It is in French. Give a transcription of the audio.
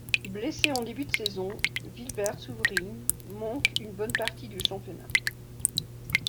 Blessé en début de saison, Wilbert Suvrijn manque une bonne partie du championnat.